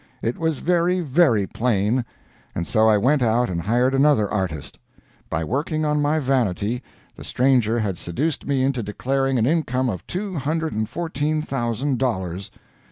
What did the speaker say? It was very, very plain; and so I went out and hired another artist. By working on my vanity, the stranger had seduced me into declaring an income of two hundred and fourteen thousand dollars.